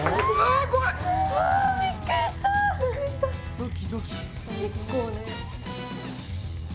ドキドキ。